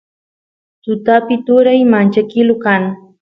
tutapi turay manchkilu kan